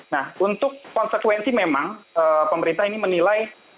nah untuk konsekuensi memang pemerintah ini menilai